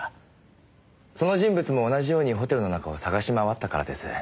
その人物も同じようにホテルの中を探し回ったからです。